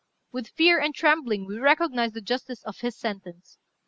With fear and trembling we recognize the justice of his sentence.